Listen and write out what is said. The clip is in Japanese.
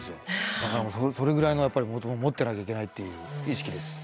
だからそれぐらいのやっぱり持ってなきゃいけないっていう意識です。